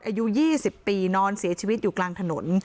อายุ๒๐ปีนอนเสียชีวิตอยู่กลางถนน